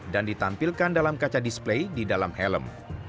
dan ditampilkan dalam kaca display di dalam helm